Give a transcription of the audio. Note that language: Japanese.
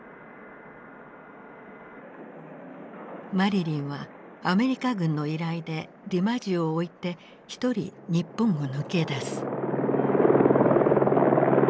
マリリンはアメリカ軍の依頼でディマジオを置いて一人日本を抜け出す。